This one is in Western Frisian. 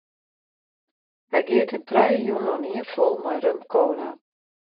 Hy geat him trije jûnen oanien fol mei rum-kola.